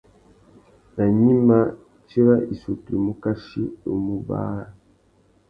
Nà gnïma, tsi râ issutu i mù kachi u mù bàrrâ.